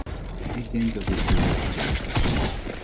Ik denk dat dit oordeel het juiste is.